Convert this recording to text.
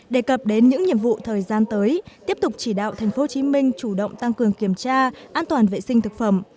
đề cập đến những nhiệm vụ thời gian tới tiếp tục chỉ đạo tp hcm chủ động tăng cường kiểm tra an toàn vệ sinh thực phẩm